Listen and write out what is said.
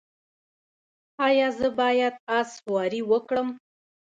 ایا زه باید اس سواري وکړم؟